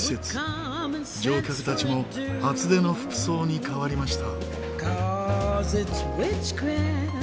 乗客たちも厚手の服装に変わりました。